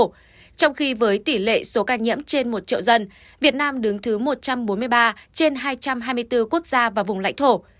trong khi với tỷ lệ số ca nhiễm trên một triệu dân việt nam đứng thứ một trăm bốn mươi ba trên hai trăm hai mươi bốn quốc gia và vùng lãnh thổ